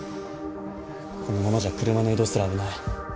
このままじゃ車の移動すら危ない。